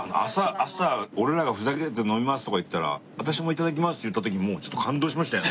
朝俺らがふざけて「飲みます」とか言ったら「私も頂きます」って言った時にもうちょっと感動しましたよね。